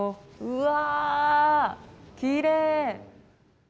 うわきれい。